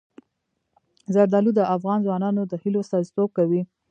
زردالو د افغان ځوانانو د هیلو استازیتوب کوي.